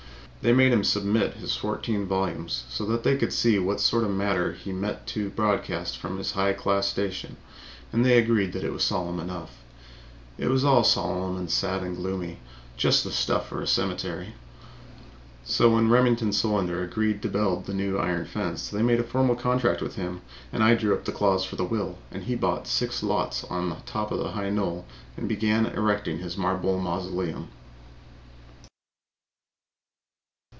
They made him submit his fourteen volumes so they could see what sort of matter he meant to broadcast from his high class station, and they agreed it was solemn enough; it was all solemn and sad and gloomy, just the stuff for a cemetery. So when Remington Solander agreed to build the new iron fence they made a formal contract with him, and I drew up the clause for the will, and he bought six lots on top of the high knoll and began erecting his marble mausoleum.